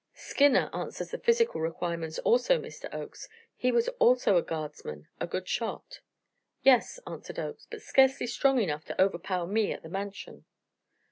"Skinner answers the physical requirements also, Mr. Oakes he was also a guardsman a good shot." "Yes," answered Oakes, "but scarcely strong enough to overpower me at the Mansion."